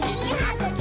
「ぐき！」